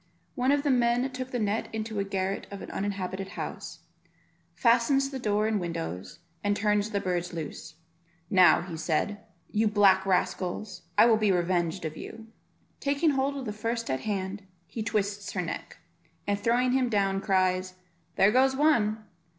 One of the men took the net into a garret of an uninhabited house, fastens the doors and windows, and turns the birds loose. "Now," said he, "you black rascals, I will be revenged of you." Taking hold of the first at hand, he twists her neck, and throwing him down, cries, "There goes one."